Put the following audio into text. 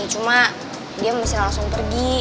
cuma dia masih langsung pergi